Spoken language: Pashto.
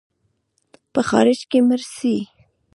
په خارج کې مړ سې.